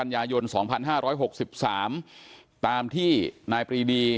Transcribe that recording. กันยายนสองพันห้าร้อยหกสิบสามตามที่นายพีดี